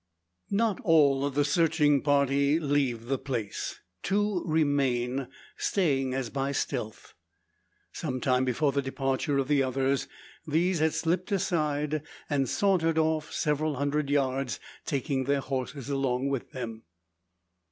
Not all of the searching party leave the place. Two remain, staying as by stealth. Some time before the departure of the others, these had slipped aside, and sauntered off several hundred yards, taking their horses along with them.